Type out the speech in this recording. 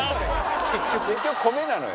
「結局米なのよ」